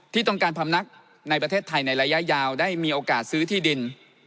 ที่ต้องการพำนักในประเทศไทยในระยะยาวได้มีโอกาสซื้อที่ดิน